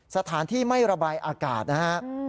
สถานที่ไม่ระบายอากาศนะครับ